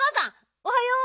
おはよう。